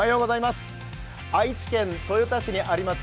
愛知県豊田市にあります